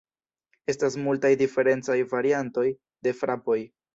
Estas multaj diferencaj variantoj de frapoj.